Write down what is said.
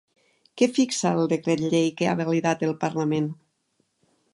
Què fixa el decret llei que ha validat el Parlament?